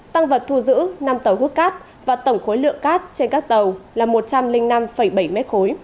tăng vật thu giữ năm tàu hút cát và tổng khối lượng cát trên các tàu là một trăm linh năm bảy m ba